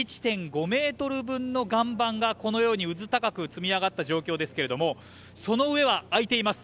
１．５ｍ分の岩盤がこのようにうずたかく積み上がった状況ですけれどもその上は開いています。